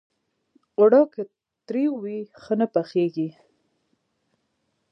اوړه که ترۍ وي، ښه نه پخېږي